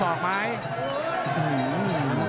อ้าวเดี๋ยวดูยก๓นะครับ